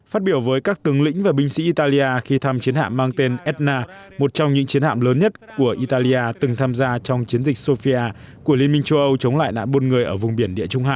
phát biểu với các tướng lĩnh và binh sĩ italia khi thăm chiến hạ mang tên edna một trong những chiến hạm lớn nhất của italia từng tham gia trong chiến dịch sofia của liên minh châu âu chống lại nạn buôn người ở vùng biển địa trung hàn